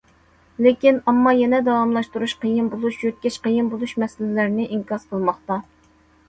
لېكىن ئامما يەنە داۋاملاشتۇرۇش قىيىن بولۇش، يۆتكەش قىيىن بولۇش مەسىلىلىرىنى ئىنكاس قىلماقتا.